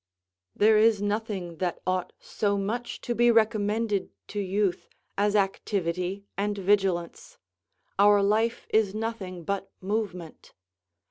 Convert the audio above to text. There is nothing that ought so much to be recommended to youth as activity and vigilance our life is nothing but movement.